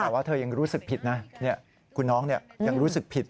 แต่ว่าเธอยังรู้สึกผิดนะคุณน้องยังรู้สึกผิด